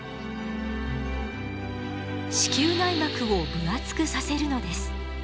子宮内膜を分厚くさせるのです。